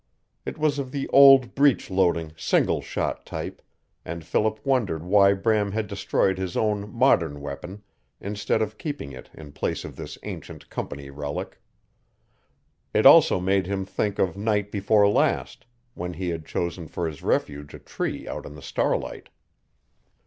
It was of the old breech loading, single shot type, and Philip wondered why Bram had destroyed his own modern weapon instead of keeping it in place of this ancient Company relic. It also made him think of night before last, when he had chosen for his refuge a tree out in the starlight.